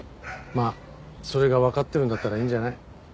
まあそれがわかってるんだったらいいんじゃない？